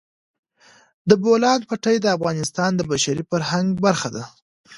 د بولان پټي د افغانستان د بشري فرهنګ برخه ده.